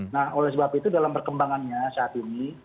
nah oleh sebab itu dalam perkembangannya saat ini